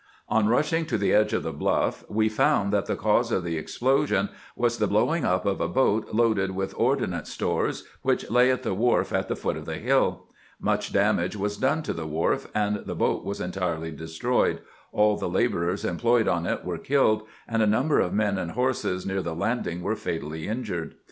On nisMng to the edge of the bluff, we found that the cause of the explosion was the blowing up of a boat loaded with ordnance stores which lay at the wharf at the foot of the hill. Much damage was done to the wharf, the boat was entirely destroyed, all the laborers employed on it were killed, and a number of men and horses near the landing were fatally injured.